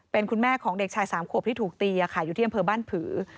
เป็นคุณแม่ของเด็กชาย๓ขวบที่ถูกตีอยู่ที่อำเภอบ้านผือ